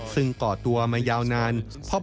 ซึ่งก่อตัวมายาวนาน